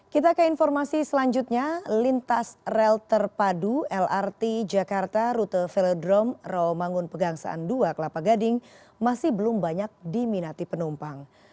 kita ke informasi selanjutnya lintas rel terpadu lrt jakarta rute velodrome rawamangun pegangsaan dua kelapa gading masih belum banyak diminati penumpang